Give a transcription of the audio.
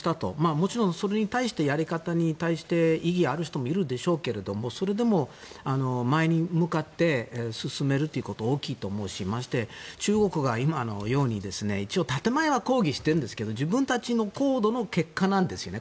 もちろんそれに対してやり方に対して異議がある人もいるでしょうけどそれでも、前に向かって進めることは大きいと思うしましてや中国が今のように一応建前は抗議しているんですが自分たちの行動の結果なんですよね